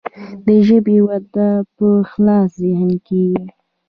د ژبې وده په خلاص ذهن کیږي.